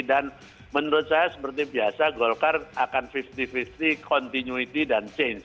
dan menurut saya seperti biasa golkar akan lima puluh lima puluh continuity dan change